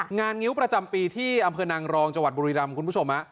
งานงิ้วประจำปีที่อำเภอนังรองจบุรีรัมคุณผู้ชม